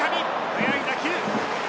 速い打球。